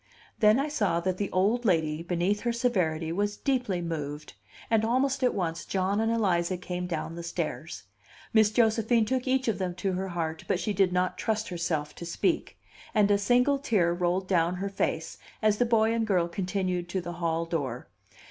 Then I saw that the old lady, beneath her severity, was deeply moved; and almost at once John and Eliza came down the stairs. Miss Josephine took each of them to her heart, but she did not trust herself to speak; and a single tear rolled down her face, as the boy and girl continued to the hall door.